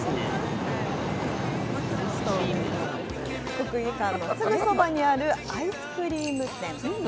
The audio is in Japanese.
国技館のすぐそばにあるアイスクリーム店。